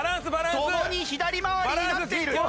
ともに左回りになっている。